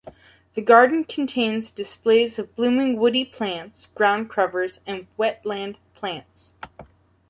The Gardens contain displays of blooming woody plants, ground covers, and wetland plants.